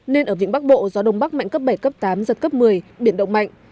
nên ở vịnh bắc bộ gió đông bắc mạnh cấp bảy cấp tám giật cấp một mươi biển động mạnh